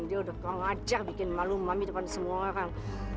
dia udah ngajar bikin malu mami depan semua orang